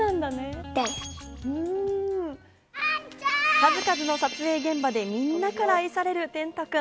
数々の撮影現場でみんなから愛される天嵩君。